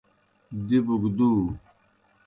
دِبوْ گہ دُو۔